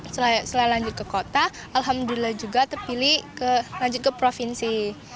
setelah lanjut ke kota alhamdulillah juga terpilih lanjut ke provinsi